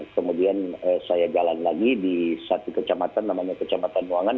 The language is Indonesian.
kemudian saya jalan lagi di satu kecamatan namanya kecamatan wangan